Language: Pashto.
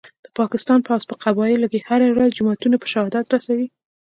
د پاکستان پوځ په قبایلو کي هره ورځ جوماتونه په شهادت رسوي